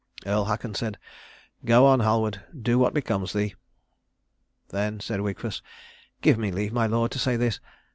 Earl Haakon said, "Go on, Halward. Do what becomes thee." Then said Wigfus, "Give me leave, my lord, to say this.